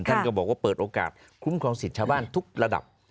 ท่านก็บอกว่าเปิดโอกาสคุ้มครองสิทธิ์ชาวบ้านทุกระดับ